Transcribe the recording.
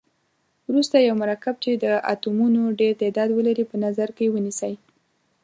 وروسته یو مرکب چې د اتومونو ډیر تعداد ولري په نظر کې ونیسئ.